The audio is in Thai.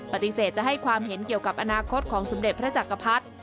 ปฏิเสธจะให้ความเห็นเกี่ยวกับอนาคตของสมเด็จพระจักรพรรดิ